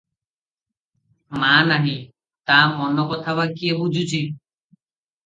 ମା ନାହିଁ, ତା ମନ କଥା ବା କିଏ ବୁଝୁଛି?